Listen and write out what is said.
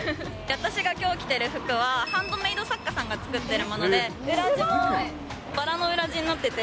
私がきょう着てる服は、ハンドメイド作家さんが作っているもので、すごい。